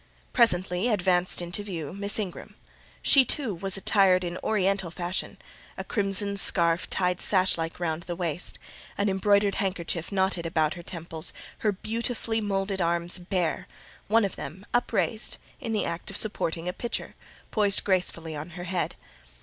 Presently advanced into view Miss Ingram. She, too, was attired in oriental fashion: a crimson scarf tied sash like round the waist: an embroidered handkerchief knotted about her temples; her beautifully moulded arms bare, one of them upraised in the act of supporting a pitcher, poised gracefully on her head.